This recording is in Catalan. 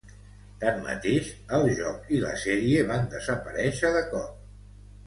Tanmateix, el joc i la sèrie van desaparèixer de cop.